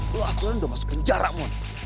lo akhirnya udah masuk penjara mon